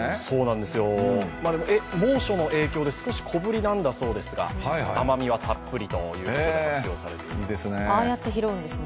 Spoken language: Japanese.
猛暑の影響で少し小ぶりなんだそうですが甘みはたっぷりということが発表されています。